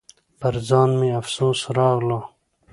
پر ځان مې افسوس راغلو .